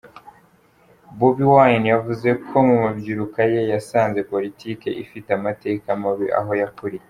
Bob Wine yavuze ko mu mabyiruka ye yasanze politiki ifite amateka mabi aho yakuriye.